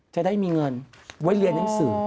จะได้มีเงินไว้เรียนหนังสือ